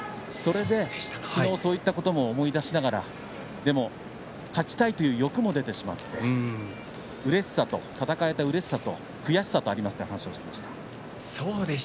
そういったことも思い出しながらでも勝ちたいという欲も出てしまって戦えたうれしさと悔しさとありますと話していました。